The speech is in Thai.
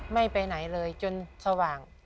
ไม่ไปไหนเลยจนสว่าง